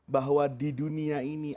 bahwa di dunia ini